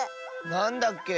なんだっけ？